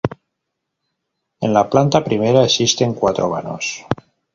En la planta primera existen cuatro vanos.